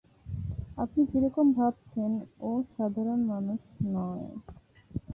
আপনি যেরকম ভাবছেন ও সাধারণ মানুষ নয়।